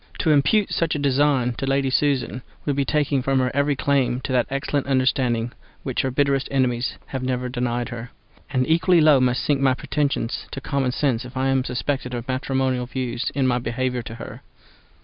To impute such a design to Lady Susan would be taking from her every claim to that excellent understanding which her bitterest enemies have never denied her; and equally low must sink my pretensions to common sense if I am suspected of matrimonial views in my behaviour to her.